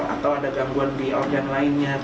atau ada gangguan di organ lainnya